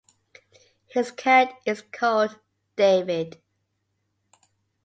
His cat is called David.